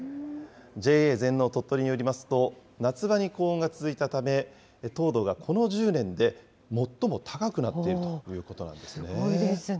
ＪＡ全農とっとりによりますと、夏場に高温が続いたため、糖度がこの１０年で最も高くなっているすごいですね。